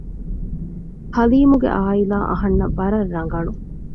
ޙަލީމުގެ ޢާއިލާ އަހަންނަށް ވަރަށް ރަނގަޅު